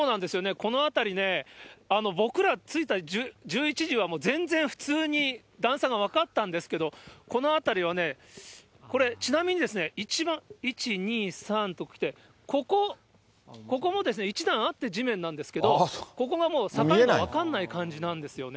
この辺りね、僕ら着いた１１時はもう全然、普通に段差が分かったんですけれども、この辺りはね、これ、ちなみにですね、一番、１、２、３ときて、ここ、ここも１段あって、地面なんですけど、ここがもう境が分かんない感じなんですよね。